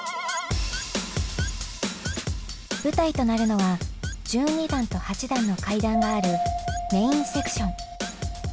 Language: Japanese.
舞台となるのは１２段と８段の階段があるメインセクション。